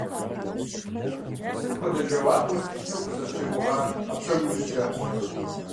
Сыт хуэдэ жэуап уэстыжыну укъызэрысщыгугъыр а псом иужькӀэ?